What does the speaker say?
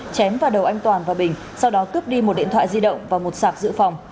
chém vào đầu anh toàn và bình sau đó cướp đi một điện thoại di động và một sạc dự phòng